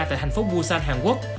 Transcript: tại thành phố busan hàn quốc